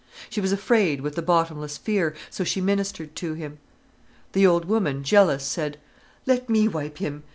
She was afraid with a bottomless fear, so she ministered to him. The old woman, jealous, said: "Let me wipe him!"